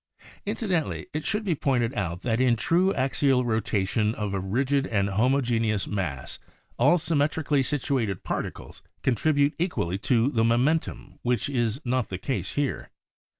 Incidentally it should be pointed out that in true axial rotation of a rigid and homogenous mass all symmetrically situated particles contribute equally to the momen tum which is not the case here.